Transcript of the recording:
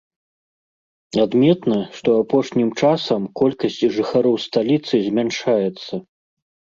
Адметна, што апошнім часам колькасць жыхароў сталіцы змяншаецца.